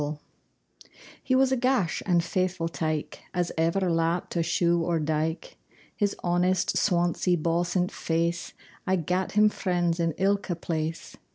LAUTH He was a gash and faithfu' tyke As ever lapt a sheugh or dyke. His honest, sawnsie, bawsint face Aye gat him friends in ilka place.